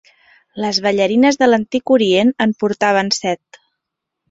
Les ballarines de l'antic Orient en portaven set.